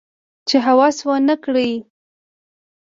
چې هوس ونه کړي